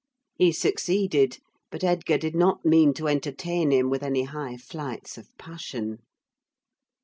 He succeeded; but Edgar did not mean to entertain him with any high flights of passion.